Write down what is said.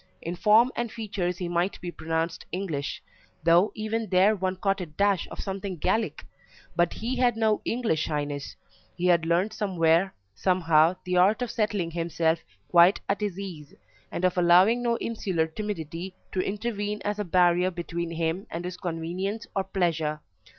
In form and features he might be pronounced English, though even there one caught a dash of something Gallic; but he had no English shyness: he had learnt somewhere, somehow, the art of setting himself quite at his ease, and of allowing no insular timidity to intervene as a barrier between him and his convenience or pleasure.